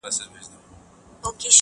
• او په څلوردېرش کلنی کي -